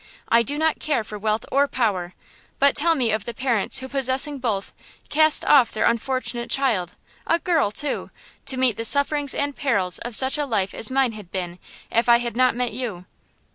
I do not care for wealth or power; but tell me of the parents who possessing both, cast off their unfortunate child–a girl, too! to meet the sufferings and perils of such a life as mine had been, if I had not met you!"